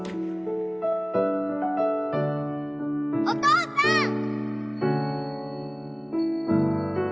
お父さん！